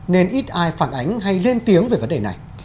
nên ít ai phản ánh hay lên tiếng về vấn đề này